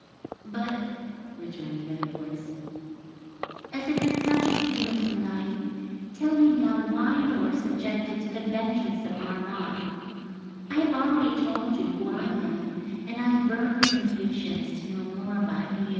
"But," rejoined the other voice, "as it is such a beautiful night, tell me now why you are subjected to the vengeance of Marmotte. I have already told you who I am, and I burn with impatience to know more about you."